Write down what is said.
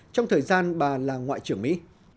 trong thời gian bà là ngoại trưởng mỹ